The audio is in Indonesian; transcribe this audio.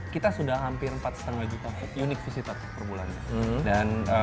kita sudah hampir empat lima juta unit visitor per bulannya